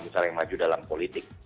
misalnya yang maju dalam politik